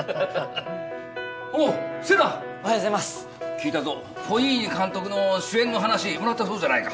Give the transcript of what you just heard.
聞いたぞフォニーニ監督の主演の話もらったそうじゃないか。